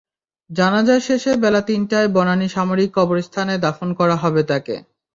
জানাজা শেষে বেলা তিনটায় বনানী সামরিক কবরস্থানে দাফন করা হবে তাঁকে।